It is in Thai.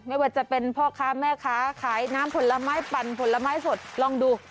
ไม่ว่าจะเป็นพ่อค้าแม่ค้าขายน้ำผลไม้ปั่นผลไม้สดลองดู